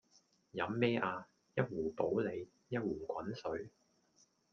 飲咩呀？一壺普洱，一壺滾水